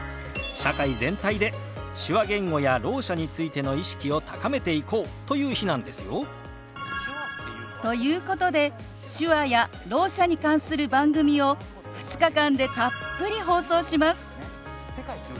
社会全体で手話言語やろう者についての意識を高めていこうという日なんですよ。ということで手話やろう者に関する番組を２日間でたっぷり放送します。